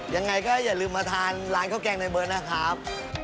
ยังไงก็อย่าลืมมาทานร้านข้าวแกงในเบิร์ตนะครับ